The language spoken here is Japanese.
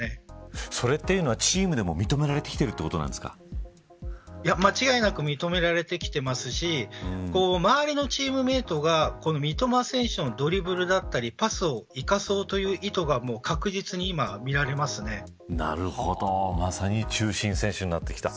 それっていうのは、チームでも認められている間違いなく認められてきていますし周りのチームメートが三笘選手のドリブルだったりパスを生かそうという意図がなるほどまさに中心選手になってきた。